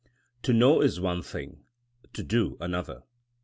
TO know is one thing; to do another.